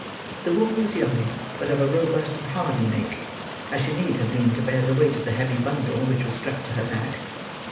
The woman was young, but of a robust and hardy make, as she need have been to bear the weight of the heavy bundle which was strapped to her back.